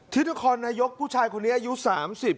ทินทรคอนายกผู้ชายคนนี้อายุสามสิบ